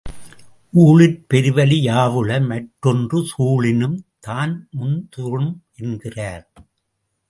ஊழிற் பெருவலி யாவுள மற்றொன்று சூழினும் தான்முந் துறும் என்கிறார்.